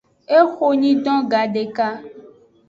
Ehonyidon gadeka.